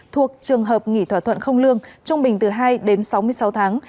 thuộc trường hợp nghỉ thỏa thuận không lương trung bình từ hai đến sáu mươi sáu tháng